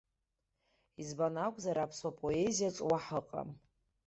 Избан акәзар, аԥсуа поезиаҿ уаҳа ыҟам.